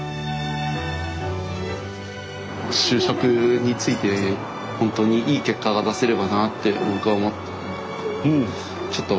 就職についてほんとにいい結果が出せればなって僕は思って。